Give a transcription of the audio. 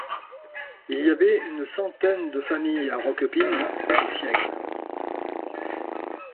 Il y avait une centaine de famille à Roquepine au siècle.